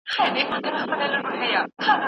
زور دی پر هوښیار انسان ګوره چي لا څه کیږي